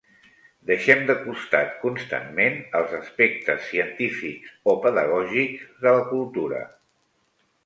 Deixem de costat constantment els aspectes científics o pedagògics de la cultura.